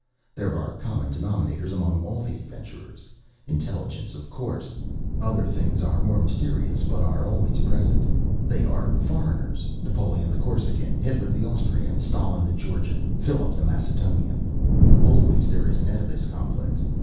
"There are common denominators among all the adventurers. Intelligence, of course. Other things are more mysterious but are always present. They are foreigners. Napoleon the Corsican. Hitler the Austrian. Stalin the Georgian. Phillip the Macedonian. Always there is an Oedipus complex.